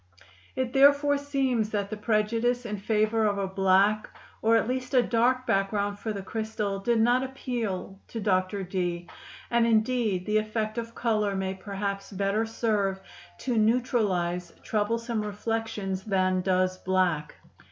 It therefore seems that the prejudice in favor of a black or at least a dark background for the crystal did not appeal to Dr. Dee, and indeed the effect of color may perhaps better serve to neutralize troublesome reflections than does black.